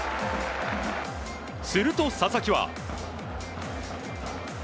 すると佐々木は。